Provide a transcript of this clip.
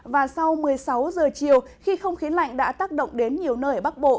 và sau một mươi sáu giờ chiều khi không khí lạnh đã tác động đến nhiều nơi ở bắc bộ